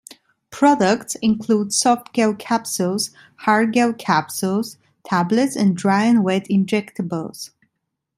Products include softgel capsules, hard-gel capsules, tablets and dry and wet injectables.